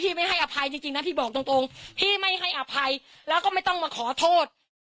พี่ไม่ให้อภัยและไม่ต้องมาขอโทษ